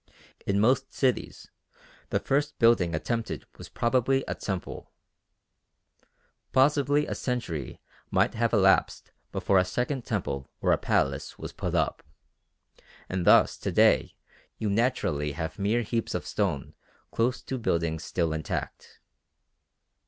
In most cities the first building attempted was probably a temple. Possibly a century might have elapsed before a second temple or a palace was put up, and thus to day you naturally have mere heaps of stone close to buildings still intact.